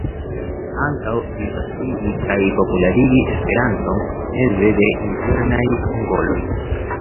Ankaŭ disvastigi kaj popularigi Esperanton meze de internaj mongoloj.